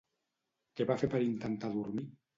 Què va fer per intentar dormir?